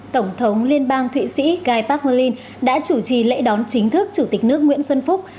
tổng thống liên bang thụy sĩ gai park nguyen linh đã chủ trì lễ đón chính thức chủ tịch nước nguyễn xuân phúc